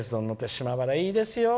島原、いいですよ。